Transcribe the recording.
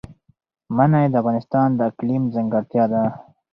منی د افغانستان د اقلیم ځانګړتیا ده.